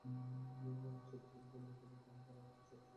সে তো বুঝিলাম, তবে এতদিন পরে আজ যে সহসা তাহা মনে পড়িল?